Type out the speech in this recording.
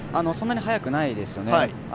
そんなに速くないですよね。